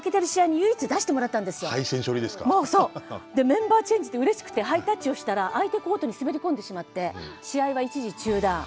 メンバーチェンジでうれしくてハイタッチをしたら相手コートに滑り込んでしまって試合は一時中断。